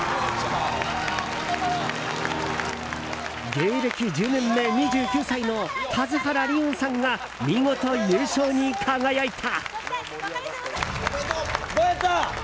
芸歴１０年目２９歳の田津原理音さんが見事、優勝に輝いた。